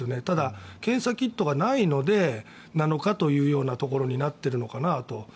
ただ、検査キットがないので７日というところになっているのかなと。